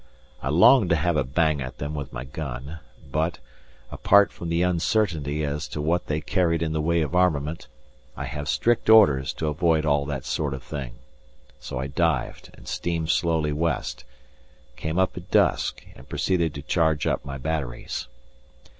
I longed to have a bang at them with my gun, but, apart from the uncertainty as to what they carried in the way of armament, I have strict orders to avoid all that sort of thing, so I dived and steamed slowly west, came up at dusk and proceeded to charge up my batteries.